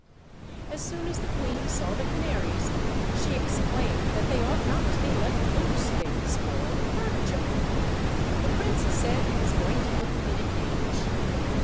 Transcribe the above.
As soon as the queen saw the canaries she exclaimed that they ought not to be left loose; they would spoil the furniture. The prince said he was going to put them in a cage.